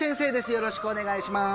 よろしくお願いします